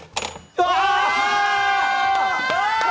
うわ！